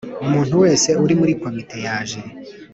Umuntu wese uri muri Komite yaje